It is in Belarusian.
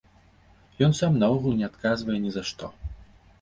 Ён сам наогул не адказвае ні за што.